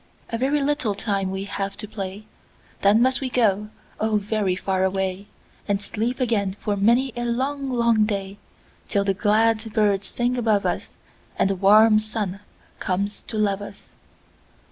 "A very little time we have to play, Then must we go, oh, very far away, And sleep again for many a long, long day, Till the glad birds sing above us, And the warm sun comes to love us.